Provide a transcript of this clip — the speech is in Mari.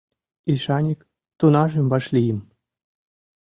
Ишаньык тунажым вашлийым.